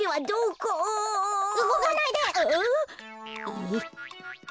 えっ？